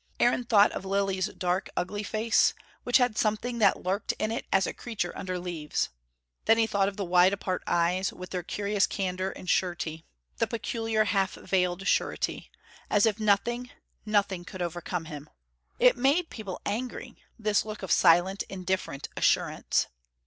Aaron thought of Lilly's dark, ugly face, which had something that lurked in it as a creature under leaves. Then he thought of the wide apart eyes, with their curious candour and surety. The peculiar, half veiled surety, as if nothing, nothing could overcome him. It made people angry, this look of silent, indifferent assurance.